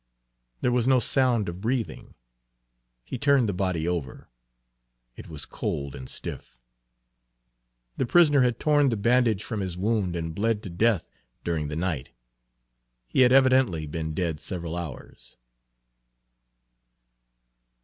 There was no sound of breathing; he turned the body over it was cold and stiff. The prisoner had torn the bandage from his wound and bled to death during the night. He had evidently been dead several hours.